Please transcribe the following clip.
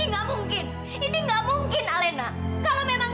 dia nggak ada kan